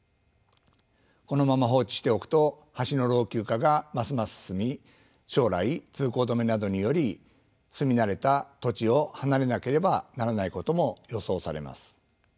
このまま放置しておくと橋の老朽化がますます進み将来通行止めなどにより住み慣れた土地を離れなければならないことも予想されます。